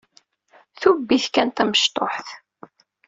Tubbit kan tamecṭuḥt.